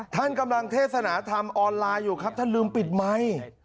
ท่านกำลังเทศนาธรรมออนไลน์อยู่ครับท่านลืมปิดไมค์